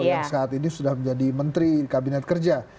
yang saat ini sudah menjadi menteri kabinet kerja